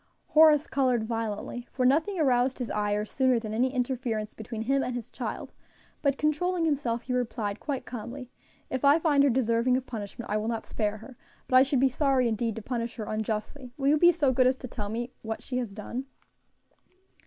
Horace colored violently, for nothing aroused his ire sooner than any interference between him and his child; but controlling himself, he replied quite calmly, "If I find her deserving of punishment, I will not spare her; but I should be sorry indeed to punish her unjustly. Will you be so good as to tell me what she has done?"